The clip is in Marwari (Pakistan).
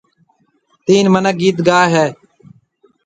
تين مِنک گِيت گائي هيَ۔